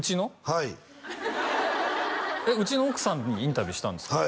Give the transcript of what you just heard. はいえっうちの奥さんにインタビューしたんですか？